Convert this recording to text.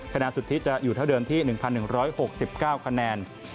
คะแนนสุทธิจะอยู่เท่าเดิมที่๑๑๖๙คะแนน